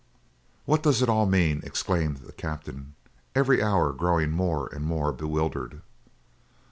"What does it all mean?" exclaimed the captain, every hour growing more and more bewildered.